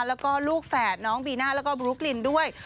แล้วก็ลูกแฝดน้องบีน่าแล้วก็บลุ๊กลินด้วย